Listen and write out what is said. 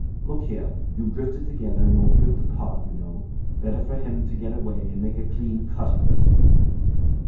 Look here! You drifted together and you'll drift apart, you know. Better for him to get away and make a clean cut of it.